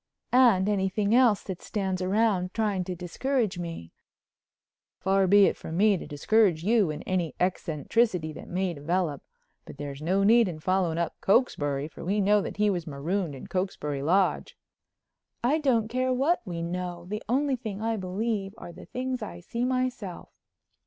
"And anything else that stands round trying to discourage me." "Far be it from me to discourage you in any eccentricity that may develop. But there's no need in following up Cokesbury, for we know that he was marooned in Cokesbury Lodge." "I don't care what we know. The only things I believe are the things I see myself."